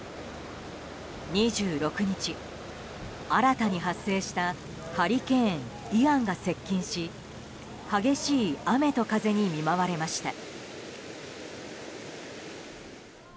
２６日、新たに発生したハリケーン、イアンが接近し激しい雨と風に見舞われました。